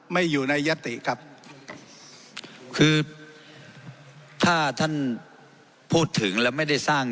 ไม่อยู่ในยติครับคือถ้าท่านพูดถึงและไม่ได้สร้าง